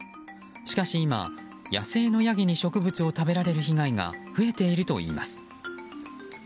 しかし今、野生のヤギに植物を食べられる被害が増えているといいます。